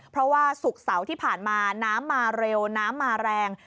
เพราะว่าศุกร์เสาร์ที่ผ่านมาน้ำมาเร็วน้ำมาแรง